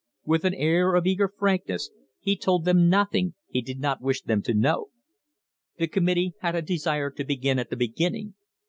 With an air of eager frankness he told them nothing he did not wish them to know. The com mittee had a desire to begin at the beginning.